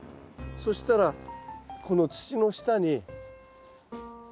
そしたらこの土の下に。